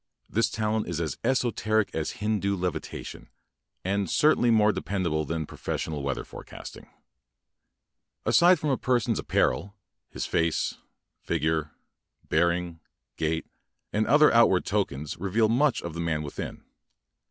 This talent is aa esoteric as Hindu levitation and cer tainly more de pendable than pro fessional weather forecasting I Aside from a per son's apparel, his face, figure, bear ing, gait, and other outward tokens reveal much of the man within.